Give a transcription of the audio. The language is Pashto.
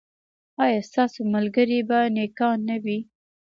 ایا ستاسو ملګري به نیکان نه وي؟